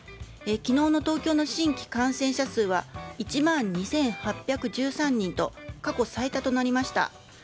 昨日の東京の新規感染者数は１万２８１３人と過去最多となりました。